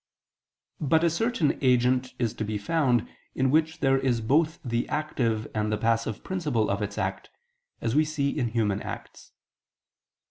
But a certain agent is to be found, in which there is both the active and the passive principle of its act, as we see in human acts.